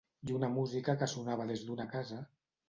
I una música que sonava des d'una casa...